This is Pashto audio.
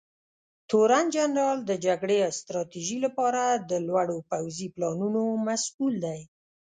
تورنجنرال د جګړې ستراتیژۍ لپاره د لوړو پوځي پلانونو مسوول دی.